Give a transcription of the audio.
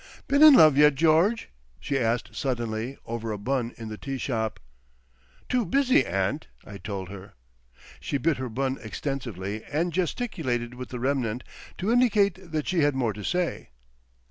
"Been in love yet, George?" she asked suddenly, over a bun in the tea shop. "Too busy, aunt," I told her. She bit her bun extensively, and gesticulated with the remnant to indicate that she had more to say.